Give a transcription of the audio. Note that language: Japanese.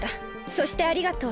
そしてありがとう。